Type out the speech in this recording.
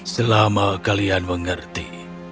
selama kalian mengerti